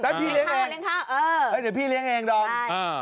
แล้วพี่เลี้ยงเองด้องเออเออ